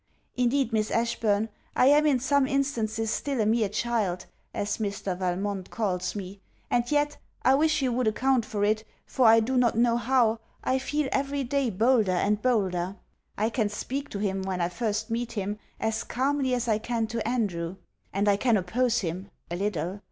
Indeed, Miss Ashburn, I am in some instances still a mere child, as Mr. Valmont calls me; and yet, I wish you would account for it, for I do not know how, I feel every day bolder and bolder. I can speak to him when I first meet him, as calmly as I can to Andrew; and I can oppose him a little.